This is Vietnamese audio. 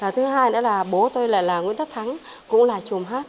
thứ hai nữa là bố tôi là nguyễn thất thắng cũng là trùm hát